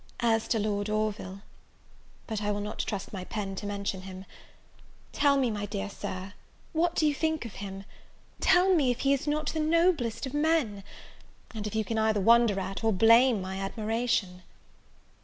As to Lord Orville, but I will not trust my pen to mention him, tell me, my dear sir, what you think of him? tell me if he is not the noblest of men? and if you can either wonder at, or blame my admiration?